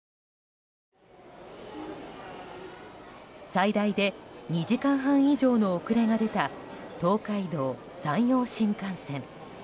最大で２時間半以上の遅れが出た東海道・山陽新幹線。